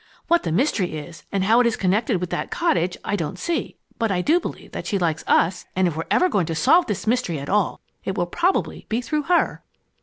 What the mystery is and how it is connected with that cottage, I don't see. But I do believe that she likes us, and if we're ever going to solve this mystery at all, it will probably be through her."